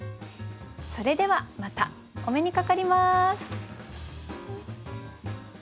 それではまたお目にかかります。